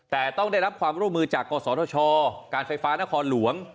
แต่ต้องได้รับความร่วมมือจากกศธชการไฟฟ้านครหลวง